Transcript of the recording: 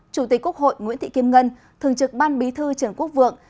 chủ tịch quốc hội nguyễn thị kim ngân thường trực ban bí thư trần quốc vượng